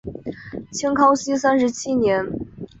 清康熙三十七年。